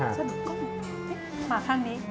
สะดุดก้น